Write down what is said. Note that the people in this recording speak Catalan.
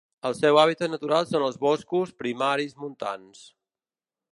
El seu hàbitat natural són els boscos primaris montans.